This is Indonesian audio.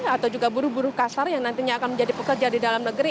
atau juga buruh buruh kasar yang nantinya akan menjadi pekerja di dalam negeri